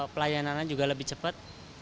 pelayanannya juga lebih cepat